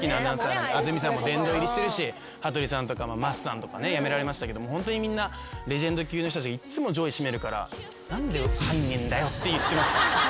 安住さんも殿堂入りしてるし羽鳥さんとか桝さんとかね辞められましたけどもホントにみんなレジェンド級の人たちがいっつも上位占めるから。って言ってました。